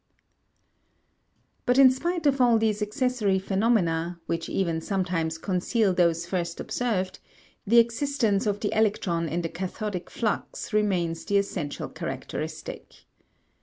But in spite of all these accessory phenomena, which even sometimes conceal those first observed, the existence of the electron in the cathodic flux remains the essential characteristic.